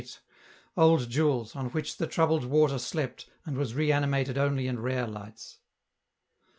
old jewels, on which the troubled water slept and was reanimated only in rare lights.